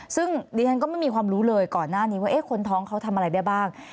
ซึ่งดิฉันก็ไม่มีความรู้เลยก่อนหน้านี้ว่าคนท้องเขาทำอะไรได้บ้าง